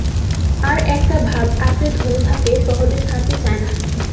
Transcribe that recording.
তারা একটা ভাব আঁকড়ে ধরে থাকে, সহজে ছাড়তে চায় না।